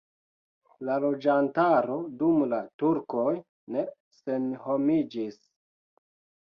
La loĝantaro dum la turkoj ne senhomiĝis.